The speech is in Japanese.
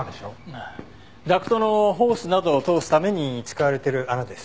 ダクトのホースなどを通すために使われてる穴です。